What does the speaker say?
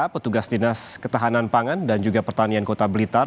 petugas dinas ketahanan pangan dan juga pertanian kota blitar